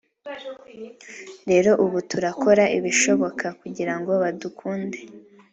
rero ubu turakora ibishoboka kugira ngo badukunde